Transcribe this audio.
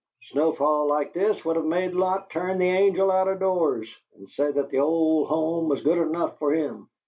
Snowfall like this would of made Lot turn the angel out of doors and say that the old home was good enough for him.